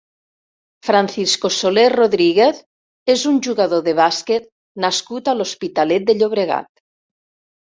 Francisco Solé Rodríguez és un jugador de bàsquet nascut a l'Hospitalet de Llobregat.